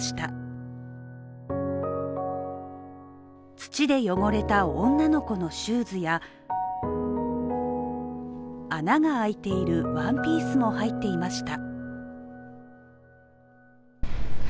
土で汚れた女の子のシューズや穴が開いているワンピースも入っていました。